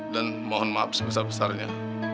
mohon maaf sebesar besarnya